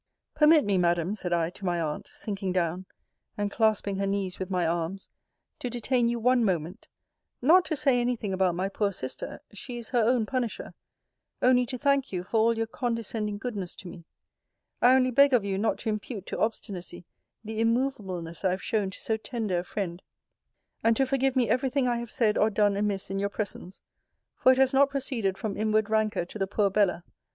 Permit me, Madam, said I to my aunt, sinking down, and clasping her knees with my arms, to detain you one moment not to say any thing about my poor sister she is her own punisher only to thank you for all your condescending goodness to me. I only beg of you not to impute to obstinacy the immovableness I have shown to so tender a friend; and to forgive me every thing I have said or done amiss in your presence, for it has not proceeded from inward rancour to the poor Bella.